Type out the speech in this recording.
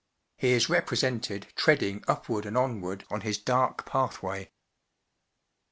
He is represented tread¬ ing upward and onward on his dark pathway.